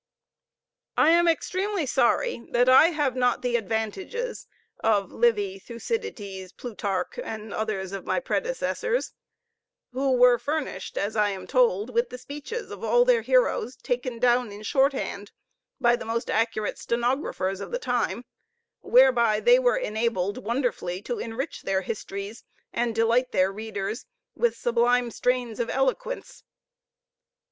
I am extremely sorry that I have not the advantages of Livy, Thucydides, Plutarch, and others of my predecessors, who were furnished, as I am told, with the speeches of all their heroes taken down in short hand by the most accurate stenographers of the time, whereby they were enabled wonderfully to enrich their histories, and delight their readers with sublime strains of eloquence.